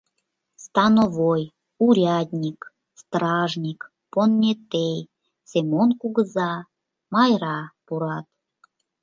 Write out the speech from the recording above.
Становой, урядник, стражник, понетей, Семон кугыза, Майра пурат.